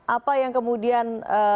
apa yang kemudian